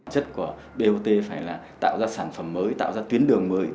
chất của bot phải là tạo ra sản phẩm mới tạo ra tuyến đường mới